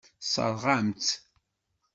Tessṛeɣ-am-tt.